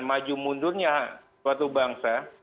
maju mundurnya suatu bangsa